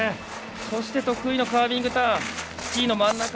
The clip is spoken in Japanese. そして、得意のカービングターン。